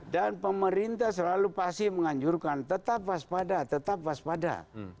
dan pemerintah selalu pasti menganjurkan tetap waspada tetap waspada